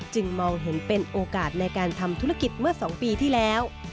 มองเห็นเป็นโอกาสในการทำธุรกิจเมื่อ๒ปีที่แล้ว